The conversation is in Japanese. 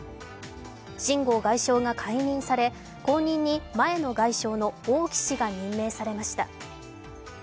秦剛外相が解任され、後任に前の外相の王毅氏が任命されました。